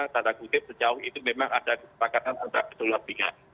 tanda kutip sejauh itu memang ada kesepakatan antara kedua pihak